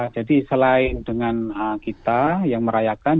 jadi selain dengan kita yang merayakan